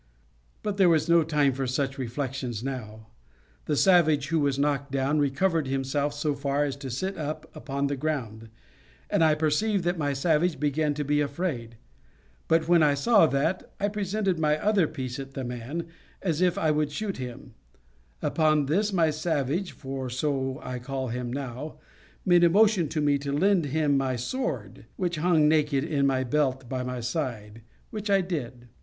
But there was no time for such reflections now; the savage who was knocked down recovered himself so far as to sit up upon the ground, and I perceived that my savage began to be afraid; but when I saw that, I presented my other piece at the man, as if I would shoot him; upon this my savage, for so I call him now, made a motion to me to lend him my sword, which hung naked in a belt by my side, which I did.